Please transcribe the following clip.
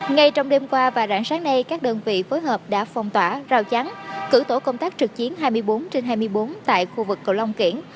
ngay trong đêm qua và rạng sáng nay các đơn vị phối hợp đã phong tỏa rào chắn cử tổ công tác trực chiến hai mươi bốn trên hai mươi bốn tại khu vực cầu long kiển